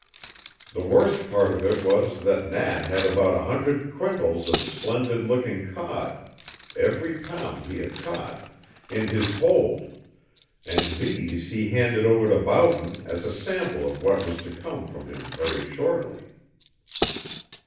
The worst part of it was that Nat had about a hundred quintals of splendid looking cod (every pound he had caught) in his hold, and these he handed over to Boughton as a sample of what was to come from him very shortly.